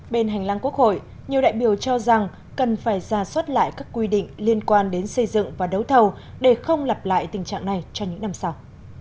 bên hành lang quốc hội nhiều đại biểu cho rằng cần phải ra suất lại các quy định liên quan đến xây dựng và đấu thầu để không lặp lại tình trạng này cho những năm sau